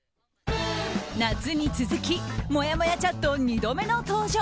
夏に続きもやもやチャット２度目の登場。